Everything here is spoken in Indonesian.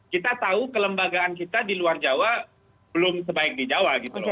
kita tahu kelembagaan kita di luar jawa belum sebaik di jawa gitu loh